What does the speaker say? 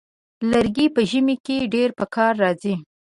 لرګی په ژمي کې ډېر پکار راځي.